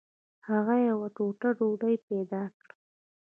هغه یوه ټوټه ډوډۍ پیدا کړه.